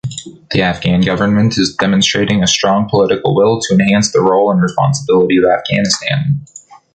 The Afghan government is demonstrating a strong political will to enhance the role and responsibility of Afghanistan.